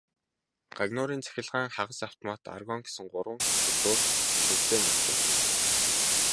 Гагнуурын цахилгаан, хагас автомат, аргон гэсэн гурван төрлөөр тэмцээн болж байна.